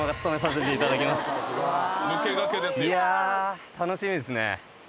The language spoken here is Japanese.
いや楽しみですね。